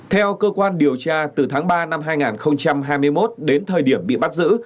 theo cơ quan điều tra từ tháng ba năm hai nghìn hai mươi một đến thời điểm bị bắt giữ